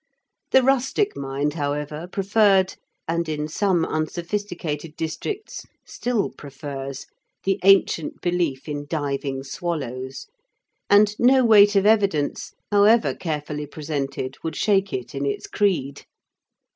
The rustic mind, however, preferred, and in some unsophisticated districts still prefers, the ancient belief in diving swallows, and no weight of evidence, however carefully presented, would shake it in its creed.